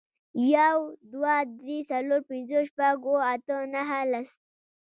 یو, دوه, درې, څلور, پنځه, شپږ, اووه, اته, نه, لس